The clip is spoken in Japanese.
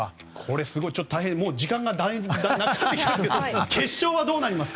時間がなくなってきたんですけど決勝はどうなりますか？